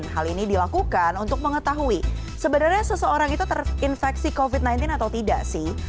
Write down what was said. hal ini dilakukan untuk mengetahui sebenarnya seseorang itu terinfeksi covid sembilan belas atau tidak sih